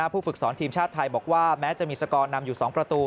ผู้ฝึกสอนทีมชาติไทยบอกว่าแม้จะมีสกอร์นำอยู่๒ประตู